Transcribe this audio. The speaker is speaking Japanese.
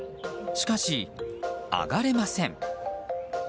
しかし、上がれません。